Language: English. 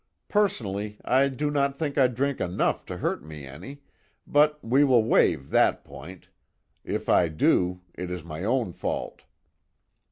Personally, I do not think I drink enough to hurt me any but we will waive that point if I do, it is my own fault."